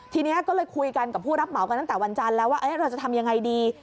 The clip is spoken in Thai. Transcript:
ทีนี้ก็เลยคุยกันกับผู้รับเหมากันตั้งแต่วันจันทร์แล้วว่าเราจะทำยังไงดี